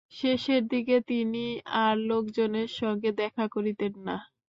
শেষের দিকে তিনি আর লোকজনের সঙ্গে দেখা করিতেন না।